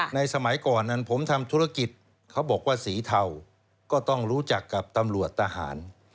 สมัยก่อนนั้นผมทำธุรกิจเขาบอกว่าสีเทาก็ต้องรู้จักกับตำรวจทหาร